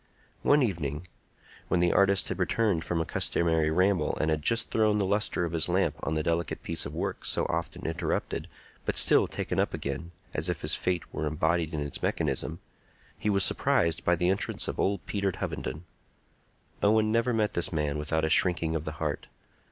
One evening, when the artist had returned from a customary ramble and had just thrown the lustre of his lamp on the delicate piece of work so often interrupted, but still taken up again, as if his fate were embodied in its mechanism, he was surprised by the entrance of old Peter Hovenden. Owen never met this man without a shrinking of the heart.